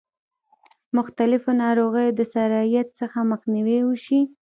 مختلفو ناروغیو د سرایت څخه مخنیوی وشي.